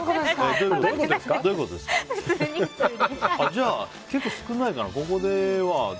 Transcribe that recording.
じゃあ、結構少ないかな。